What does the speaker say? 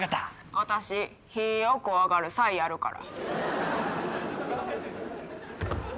私、火を怖がるサイやるから。